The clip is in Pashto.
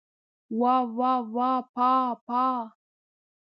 واه واه واه پاه پاه!